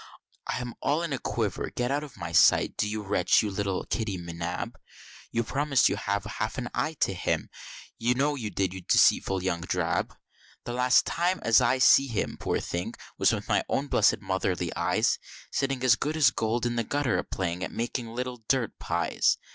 I am all in a quiver get out of my sight, do, you wretch, you little Kitty M'Nab! You promised to have half an eye to him, you know you did, you dirty deceitful young drab. The last time as ever I see him, poor thing; was with my own blessed Motherly eyes, Sitting as good as gold in the gutter, a playing at making little dirt pies.